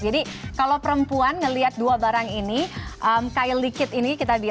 jadi kalau perempuan melihat dua barang ini kylie kit ini